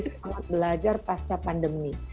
sebuah belajar pasca pandemi